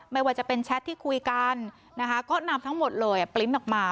ไม่ว่าจะเป็นแชทที่คุยกันนะคะก็นำทั้งหมดเลยปริ้นต์ออกมา